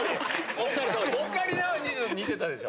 オカリナは似てたでしょ？